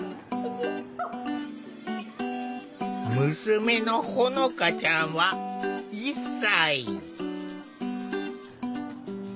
娘のほのかちゃんは１歳。